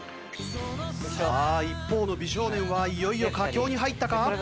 さあ一方の美少年はいよいよ佳境に入ったか？